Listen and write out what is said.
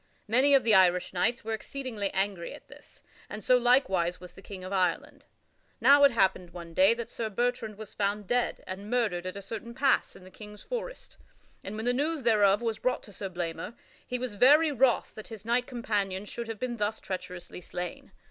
Many of the Irish knights were exceedingly angry at this, and so likewise was the King of Ireland. Now it happened one day that Sir Bertrand was found dead and murdered at a certain pass in the King's forest, and when the news thereof was brought to Sir Blamor, he was very wroth that his knight companion should have been thus treacherously slain.